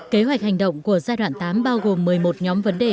kế hoạch hành động của giai đoạn tám bao gồm một mươi một nhóm vấn đề